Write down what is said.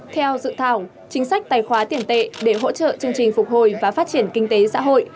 theo dự thảo chính sách tài khoá tiền tệ để hỗ trợ chương trình phục hồi và phát triển kinh tế xã hội